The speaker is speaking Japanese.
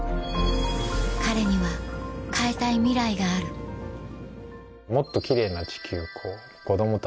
彼には変えたいミライがあるもっと。